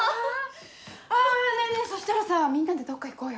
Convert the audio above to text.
ああねぇねぇねぇそしたらさみんなでどっか行こうよ。